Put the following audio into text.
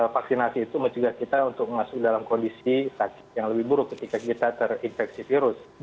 vaksinasi itu mencegah kita untuk masuk dalam kondisi sakit yang lebih buruk ketika kita terinfeksi virus